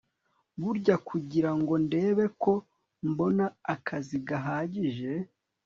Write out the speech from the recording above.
bushya kugira ngo ndebe ko mbona akazi gahagije